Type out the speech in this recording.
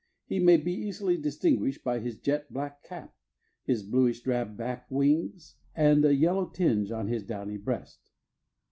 He may be easily distinguished by his jet black cap, his bluish drab back and wings, and a yellow tinge on his downy breast.